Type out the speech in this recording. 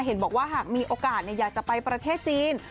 เห็นบอกว่าหากมีโอกาสอยากจะไปประเทศจีน